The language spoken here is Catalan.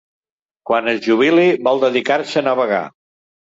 Quan es jubili vol dedicar-se a navegar.